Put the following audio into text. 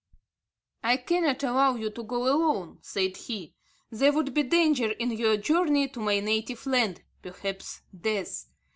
"I cannot allow you to go alone," said he; "there would be danger in your journey to my native land, perhaps death.